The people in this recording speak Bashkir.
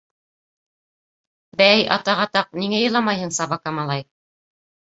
— Бәй, атаҡ-атаҡ, ниңә иламайһың, собака малай?